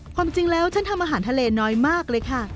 ความจริงแล้วฉันทำอาหารทะเลน้อยมากเลยค่ะ